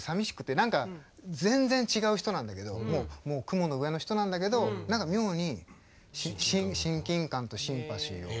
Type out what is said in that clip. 何か全然違う人なんだけどもう雲の上の人なんだけど何か妙に親近感とシンパシーを。